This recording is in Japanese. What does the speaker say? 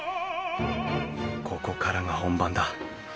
ここからが本番だ。